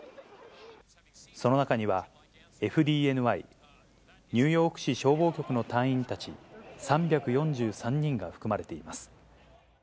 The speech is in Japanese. その中には、ＦＤＮＹ・ニューヨーク市消防局の隊員たち３４３人が含まれています。